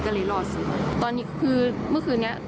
ก็เลยรอดสิตอนนี้คือเมื่อคืนนี้